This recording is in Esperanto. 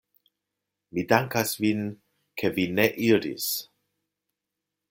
Mi dankas vin, ke vi ne iris!